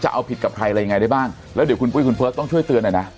เอาผิดกับใครอะไรยังไงได้บ้างแล้วเดี๋ยวคุณปุ้ยคุณเพิร์ตต้องช่วยเตือนหน่อยนะ